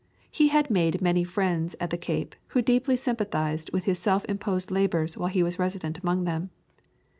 He had made many friends at the Cape, who deeply sympathised with his self imposed labours while he was resident among them.